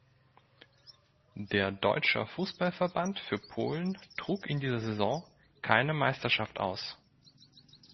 Der Deutscher Fußball-Verband für Polen trug in dieser Saison keine Meisterschaft aus.